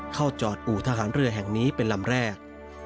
เข้าจอดอู่ทหารเรือแห่งนี้เป็นลำแรก